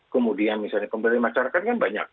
kemudian misalnya kembali masyarakat kan banyak